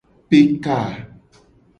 Pe ka.